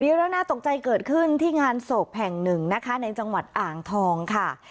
มีเรื่องน่าตกใจเกิดขึ้นที่งานศพแห่งหนึ่งนะคะในจังหวัดอ่างทองค่ะ